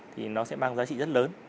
thì nó sẽ mang giá trị rất lớn